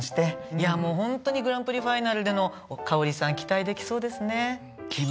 いやもうホントにグランプリファイナルでの花織さん期待できそうですね。